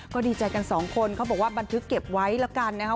ก็ดีใจกันสองคนเขาบอกว่าบันทึกเก็บไว้แล้วกันนะครับ